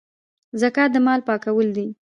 زکات د مال پاکوالی دی